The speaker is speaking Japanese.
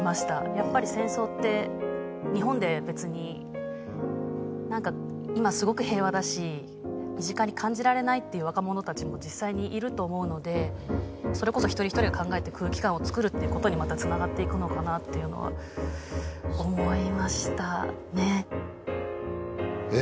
やっぱり戦争って日本で別に何か今すごく平和だし身近に感じられないっていう若者たちも実際にいると思うのでそれこそ一人一人が考えて空気感をつくるっていうことにまたつながっていくのかなっていうのは思いましたねええ